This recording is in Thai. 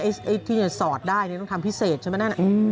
ไอ้ที่สอดได้ต้องทำพิเศษใช่ไหม